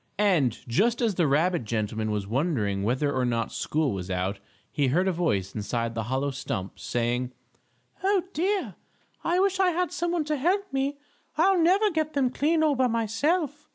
And just as the rabbit gentleman was wondering whether or not school was out, he heard a voice inside the hollow stump, saying: "Oh, dear! I wish I had some one to help me. I'll never get them clean all by myself.